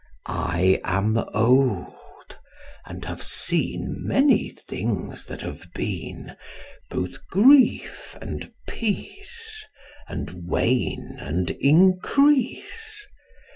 I am old and have seen Many things that have been; Both grief and peace And wane and increase.